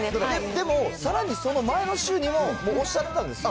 でも、さらにその前の週にも、おっしゃってたんですよ。